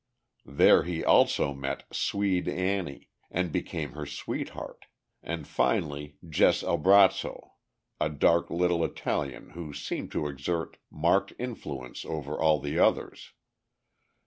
There he also met "Swede Annie" and became her sweetheart, and finally, Jess Albrazzo, a dark little Italian who seemed to exert marked influence over all the others.